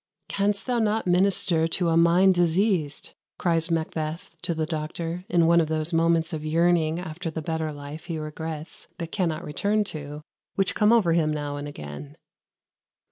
"Canst thou not minister to a mind diseased?" cries Macbeth to the doctor, in one of those moments of yearning after the better life he regrets, but cannot return to, which come over him now and again.